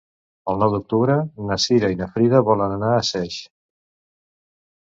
El nou d'octubre na Cira i na Frida volen anar a Saix.